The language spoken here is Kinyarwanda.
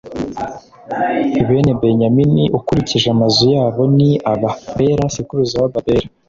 bene benyamini, ukurikije amazu yabo ni aba: bela sekuruza w’ababela;